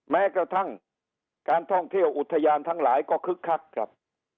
แม้กระทั่งการท่องเที่ยวอุทยานทั้งหลายก็คึกคักครับ